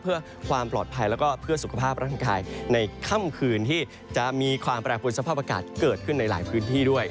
เพื่อความปลอดภัยแล้วก็เพื่อสุขภาพร่างกายในค่ำคืนที่จะมีความแปรปวนสภาพอากาศเกิดขึ้นในหลายพื้นที่ด้วย